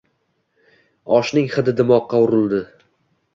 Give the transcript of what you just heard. Oshning hidi dimoqqa urildi